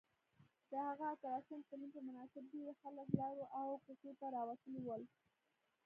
د هغه اتلسم تلین په مناسبت ډیرۍ خلک لارو او کوڅو ته راوتلي ول